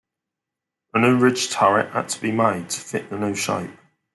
A new ridge turret had to be made, to fit the new shape.